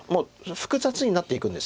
複雑になっていくんです。